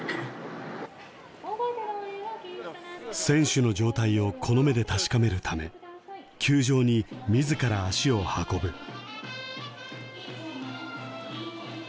選手の状態をこの目で確かめるため球場にみずから足を運ぶ。